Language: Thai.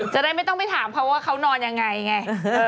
จะได้ไม่ต้องไปถามเขาว่าเขานอนยังไงไง